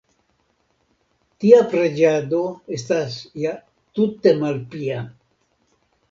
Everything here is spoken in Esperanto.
Tia preĝado estas ja tute malpia!